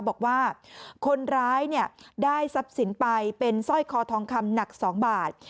บอกว่าคนร้ายได้ทรัพย์สินไปเป็นสร้อยคอทองคำหนัก๒บาท